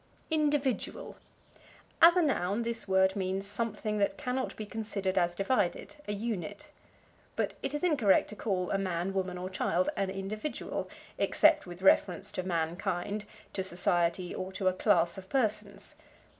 Individual. As a noun, this word means something that cannot be considered as divided, a unit. But it is incorrect to call a man, woman or child an individual, except with reference to mankind, to society or to a class of persons.